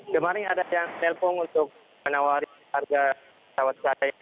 kemarin ada yang telpon untuk menawari harga pesawat saya